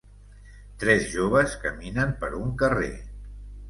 Tres joves caminen per un carrer.